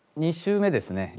２周目ですね